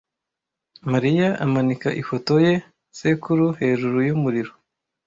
Mariya amanika ifoto ya sekuru hejuru yumuriro.